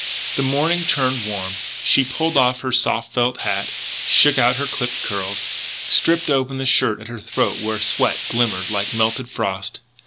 The morning turned warm; she pulled off her soft felt hat, shook out her clipped curls, stripped open the shirt at her snowy throat where sweat glimmered like melted frost.